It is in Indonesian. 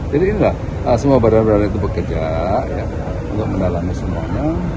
jadi inilah semua badan badan itu bekerja untuk mendalami semuanya